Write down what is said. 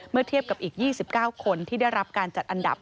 เทียบกับอีก๒๙คนที่ได้รับการจัดอันดับ